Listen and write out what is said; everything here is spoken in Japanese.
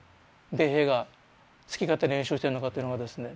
米兵が好き勝手に演習してるのかというのがですね